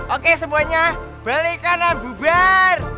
oke semuanya balik kanan bubar